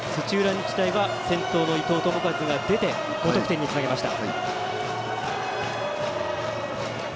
日大は先頭の伊藤智一が出て５得点につなげました。